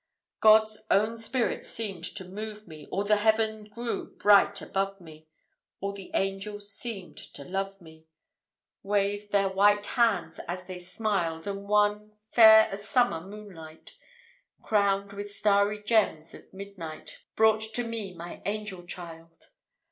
God's own Spirit seemed to move me, All the Heaven grew bright above me, All the angels seemed to love me, Waved their white hands as they smiled; And one, fair as Summer moonlight, Crowned with starry gems of midnight, Brought to me my angel child.